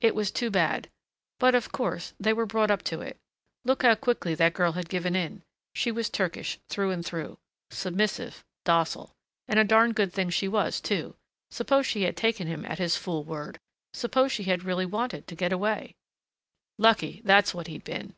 It was too bad.... But, of course, they were brought up to it. Look how quickly that girl had given in. She was Turkish, through and through. Submissive. Docile.... And a darned good thing she was, too! Suppose she had taken him at his fool word. Suppose she had really wanted to get away! Lucky, that's what he'd been.